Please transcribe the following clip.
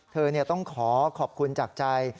เธอต้องขอขอบคุณจากใจ